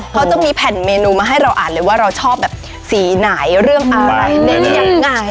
เขาจะมีแผ่นเมนูมาให้เราอ่านเลยว่าเราชอบสีไหนเรื่องอะไร